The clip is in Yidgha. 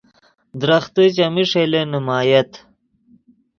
درختے چیمی ݰئیلے نیمایت